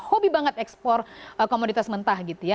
kita sangat ekspor komoditas mentah gitu ya